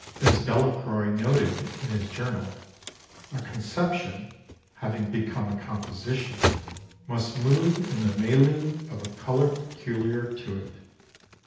As Delacroix noted in his journal: "A conception having become a composition must move in the milieu of a colour peculiar to it.